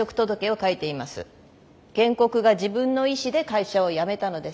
原告が自分の意思で会社を辞めたのです。